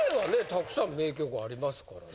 たくさん名曲ありますからね。